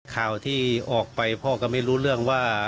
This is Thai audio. ข่าวที่ออกไปพ่อก็ไม่รู้เรื่องว่า